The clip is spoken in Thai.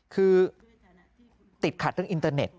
คือติดขัดเรื่องอินเตอร์เน็ต